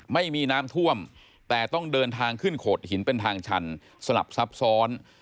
ไม่มีน้ำท่วมแต่ต้องเดินทางขึ้นโขดหินเป็นทางชันสลับซับซ้อน